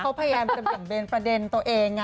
เขาแพร่มจำเป็นประเด็นตัวเองไง